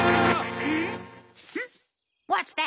ん？